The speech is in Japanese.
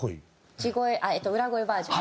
地声裏声バージョン。